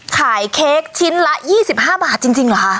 เค้กชิ้นละ๒๕บาทจริงเหรอคะ